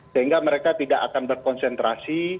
sehingga mereka tidak akan berkonsentrasi